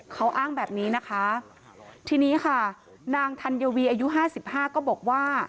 เขาอ้างแบบนี้นะคะทีนี้ค่ะนางธัญวีอายุห้าสิบห้าก็บอกว่า